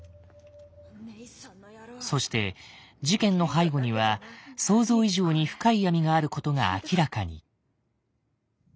そして事件の背後には想像以上に深い闇があることが明らかに。